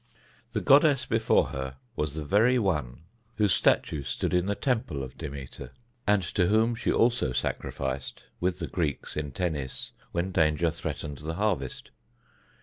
The goddess before her was the very one whose statue stood in the temple of Demeter, and to whom she also sacrificed, with the Greeks in Tennis, when danger threatened the harvest.